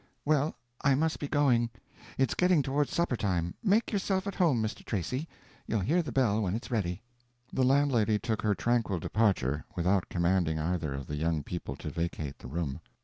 "Well, I must be going—it's getting towards supper time. Make yourself at home, Mr. Tracy, you'll hear the bell when it's ready." The landlady took her tranquil departure, without commanding either of the young people to vacate the room.